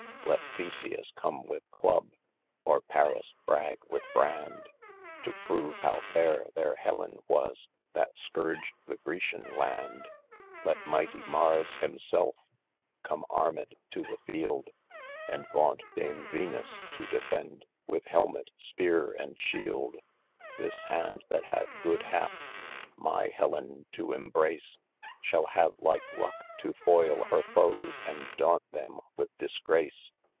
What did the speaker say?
Let Theseus come with clubbe, or Paris bragge with brand, To prove how f aire their Hellen was, that skourg'd the Grecia land : Let mighty Mars himselfe, come armed to the field : And vaunt dame Venus to defied, with helmet, speare, & shield. This hand that had good hap, my Hellen to embrace, Shal have like lucie to [foyle\ hir foes, & daut them with disgrace.